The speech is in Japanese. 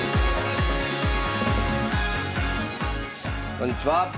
⁉こんにちは。